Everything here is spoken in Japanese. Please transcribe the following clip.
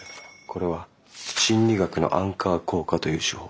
これは心理学のアンカー効果という手法。